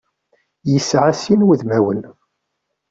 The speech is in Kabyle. Yesɛa sin n wudmawen.